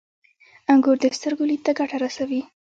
• انګور د سترګو لید ته ګټه رسوي.